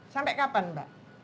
sampai kapan mbak